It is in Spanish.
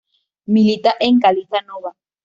Milita en Galiza Nova.